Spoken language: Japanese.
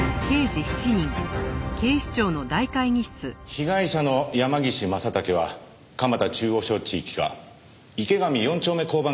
被害者の山岸正武は蒲田中央署地域課池上４丁目交番勤務の巡査部長。